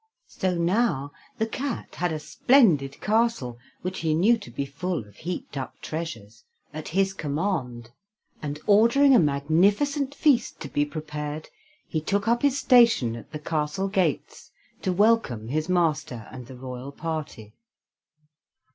So now the cat had a splendid castle, which he knew to be full of heaped up treasures, at his command, and ordering a magnificent feast to be prepared, he took up his station at the castle gates to welcome his master and the royal party.